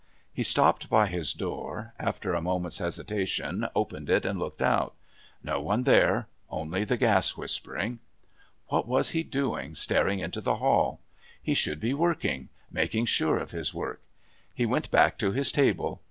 He stopped by his door, after a moment's hesitation opened it and looked out. No one there, only the gas whispering. What was he doing, staring into the hall? He should be working, making sure of his work. He went back to his table.